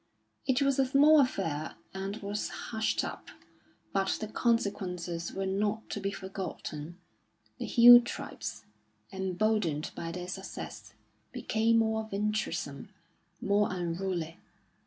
It was a small affair and was hushed up, but the consequences were not to be forgotten. The hill tribes, emboldened by their success, became more venturesome, more unruly.